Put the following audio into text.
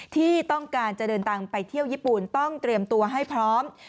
ที่ต้องการจะเดินทางไปเที่ยวญี่ปุ่นต้องเตรียมตัวให้พร้อม